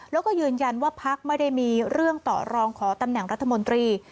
แล้วก็ยืนยันว่าพักไม่ได้มีเรื่องต่อรองขอตำแหน่งรัฐมนตรี